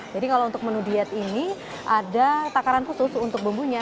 jadi kalau untuk menu diet ini ada takaran khusus untuk bumbunya